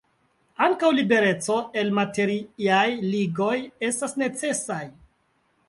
Ankaŭ libereco el materiaj ligoj estas necesaj.